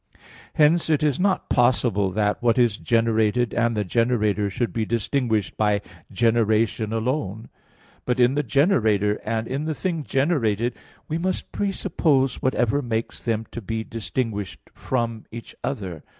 Hence it is not possible that what is generated and the generator should be distinguished by generation alone; but in the generator and in the thing generated we must presuppose whatever makes them to be distinguished from each other.